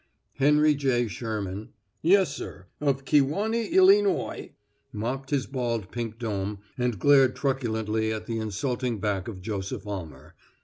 Henry J. Sherman "yes, sir, of Kewanee, Illynoy" mopped his bald pink dome and glared truculently at the insulting back of Joseph Almer.